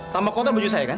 tanpa kotor baju saya kan